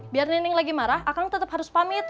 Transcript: biar nining lagi marah akang tetep harus pamit